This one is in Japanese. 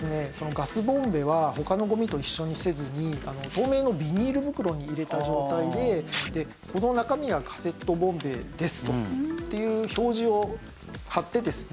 ガスボンベは他のごみと一緒にせずに透明のビニール袋に入れた状態ででこの中身はカセットボンベですと。っていう表示を貼ってですね